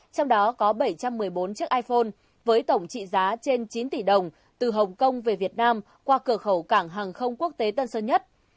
trong đó có bảy trăm một mươi bốn chiếc iphone với tổng trị giá trên chín tỷ đồng từ hồng kông về việt nam qua cửa khẩu cảng hàng không quốc tế tân sơn nhất